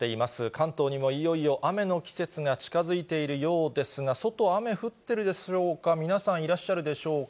関東にもいよいよ雨の季節が近づいているようですが、外、雨降ってるでしょうか、皆さん、いらっしゃるでしょうか。